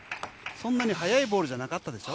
そんなに速いボールじゃなかったですよ。